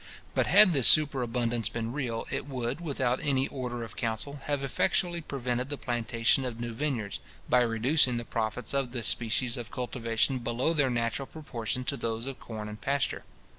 But had this superabundance been real, it would, without any order of council, have effectually prevented the plantation of new vineyards, by reducing the profits of this species of cultivation below their natural proportion to those of corn and pasture.